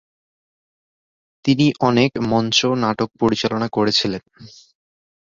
তিনি অনেক মঞ্চ নাটক পরিচালনা করেছিলেন।